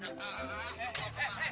ya ampun kakak